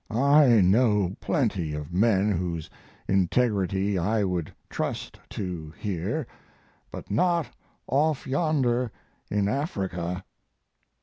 I know plenty of men whose integrity I would trust to here, but not off yonder in Africa.